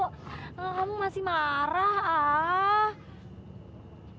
kamu masih marah ah